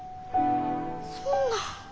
そんな。